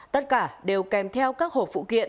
tất cả đều kèm theo